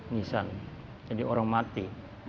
nisan jadi orang mati